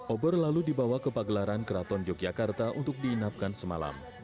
ober lalu dibawa ke pagelaran keraton yogyakarta untuk diinapkan semalam